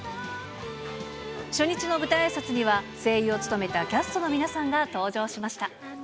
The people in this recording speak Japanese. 初日の舞台あいさつには、声優を務めたキャストの皆さんが登場しました。